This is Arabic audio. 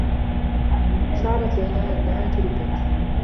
شعرت ليلى أنّها تُركت.